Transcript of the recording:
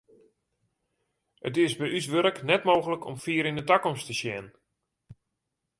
It is by ús wurk net mooglik om fier yn de takomst te sjen.